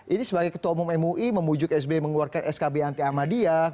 ini sebagai ketua umum mui memujuk sbi mengeluarkan skb anti ahmadiyah